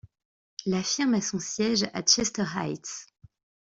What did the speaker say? La firme a son siège à Chester Heights.